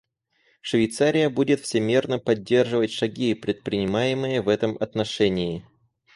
Швейцария будет всемерно поддерживать шаги, предпринимаемые в этом отношении.